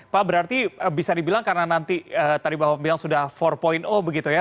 pak berarti bisa dibilang karena nanti tadi bapak bilang sudah empat begitu ya